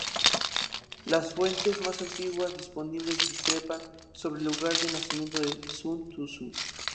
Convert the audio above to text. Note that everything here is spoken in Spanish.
Las fuentes más antiguas disponibles discrepan sobre el lugar de nacimiento de Sun Tzu.